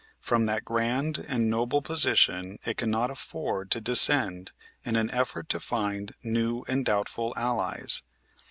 From that grand and noble position it cannot afford to descend in an effort to find new and doubtful allies.